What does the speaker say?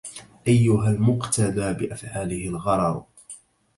أيها المقتدى بأفعاله الغرر